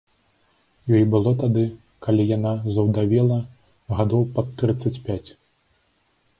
Ёй было тады, калі яна заўдавела, гадоў пад трыццаць пяць.